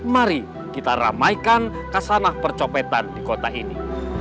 mari kita ramaikan kasanah percopetan di kota ini